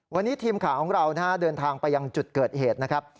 วันนี้ทีมข่าวของเราเดินทางไปยังจุดเกิดเหตุนะครับ